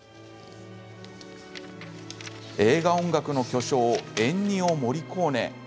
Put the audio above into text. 映画音楽の巨匠エンニオ・モリコーネ。